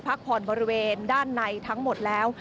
พักผ่อนบริเวณด้านในทั้งหมดแล้ว